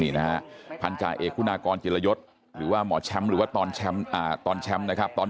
นี่นะฮะพันจาเอกหุนากรเจียระยศหรือว่าหมอแชมป์ตอนหมอ